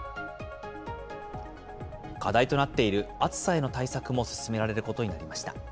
課題となっている暑さへの対策も進められることになりました。